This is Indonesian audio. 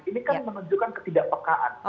ini kan menunjukkan ketidakpekaan